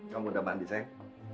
kamu udah mandi sayang